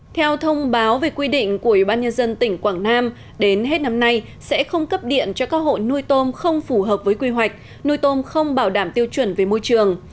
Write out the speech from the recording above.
theo thông báo về quy định của ủy ban nhân dân tỉnh quảng nam đến hết năm nay sẽ không cấp điện cho các hộ nuôi tôm không phù hợp với quy hoạch nuôi tôm không bảo đảm tiêu chuẩn về môi trường